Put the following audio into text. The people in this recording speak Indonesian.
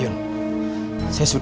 aku mau ke rumah